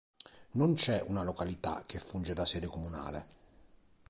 Non c'è una località che funge da sede comunale.